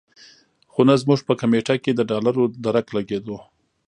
خو نه زموږ په کمېټه کې د ډالرو درک لګېدو.